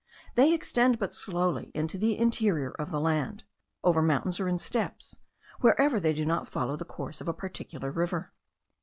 They extend but slowly into the interior of the land, over mountains, or in steppes, wherever they do not follow the course of a particular river.